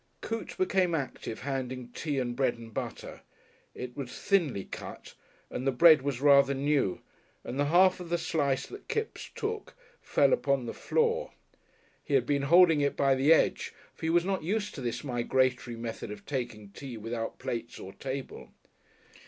Coote became active handing tea and bread and butter. It was thinly cut, and the bread was rather new, and the half of the slice that Kipps took fell upon the floor. He had been holding it by the edge, for he was not used to this migratory method of taking tea without plates or table.